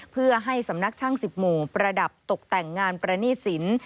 เพื่อให้สำนักช่าง๑๐หมู่ประดับตกแต่งงานประณีตสิน